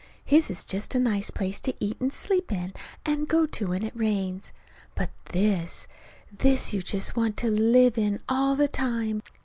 His is just a nice place to eat and sleep in, and go to when it rains. But this this you just want to live in all the time.